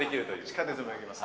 地下鉄もできます。